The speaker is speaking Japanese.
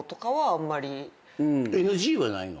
ＮＧはないの？